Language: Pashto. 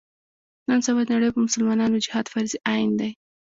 نن سبا د نړۍ په مسلمانانو جهاد فرض عین دی.